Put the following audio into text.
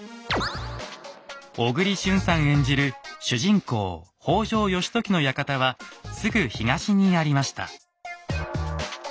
小栗旬さん演じる主人公・北条義時の館はすぐ東にありました。